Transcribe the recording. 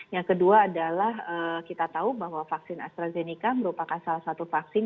yang kedua adalah kita tahu bahwa vaksin astrazeneca merupakan salah satu vaksin